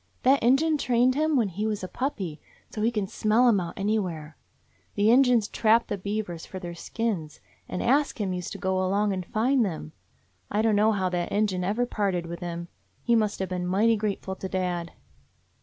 That Injun trained him when he was a puppy, so he can smell 'em out anywhere. The Injuns trap the beavers for their skins, and Ask Him used to go along and find them. I dunno how that Injun ever parted with him. He must have been mighty grateful to dad.